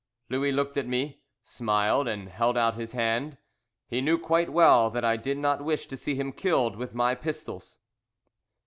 Louis looked at me, smiled, and held out his hand. He knew quite well that I did not wish to see him killed with my pistols.